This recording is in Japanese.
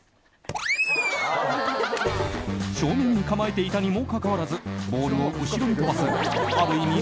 正面に構えていたにもかかわらずボールを後ろに飛ばすある意味